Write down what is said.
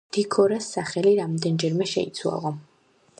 დიქორას სახელი რამდენჯერმე შეიცვალა.